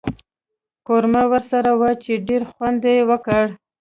قورمه ورسره وه چې ډېر خوند یې وکړ.